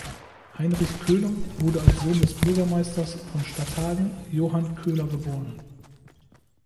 Heinrich Köhler wurde als Sohn des Bürgermeisters von Stadthagen Johann Köhler geboren.